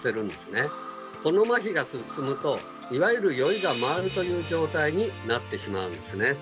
そのまひが進むといわゆる酔いが回るという状態になってしまうんですね。